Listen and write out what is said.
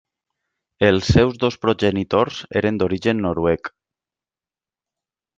Els seus dos progenitors eren d'origen noruec.